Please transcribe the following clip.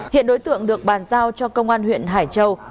hiện đối tượng được bàn giao cho công an huyện hải châu